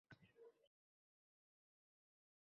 Ming bir rangli bu dunyo